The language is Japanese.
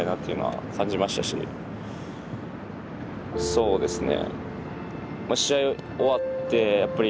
そうですね。